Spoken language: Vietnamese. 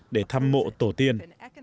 để thăm mộ tổ tiên